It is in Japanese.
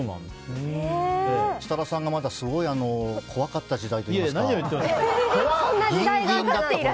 設楽さんがまだすごい怖かった時代といいますか。